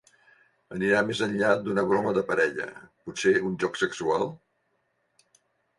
Anirà més enllà d'una broma de parella, potser un joc sexual?